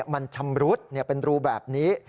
มันชำรุดเป็นรูแบบนี้